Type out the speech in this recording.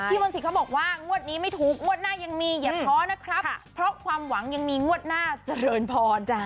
มนตรีเขาบอกว่างวดนี้ไม่ถูกงวดหน้ายังมีอย่าท้อนะครับเพราะความหวังยังมีงวดหน้าเจริญพร